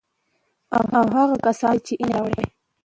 او هغو کسان ته چي ايمان ئې راوړى